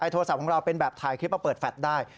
โทรศัพท์ของเราเป็นแบบถ่ายคลิปมาเปิดแฟลตได้